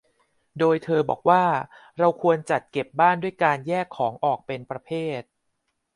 โดยเธอบอกว่าเราควรจัดเก็บบ้านด้วยการแยกของออกเป็นประเภท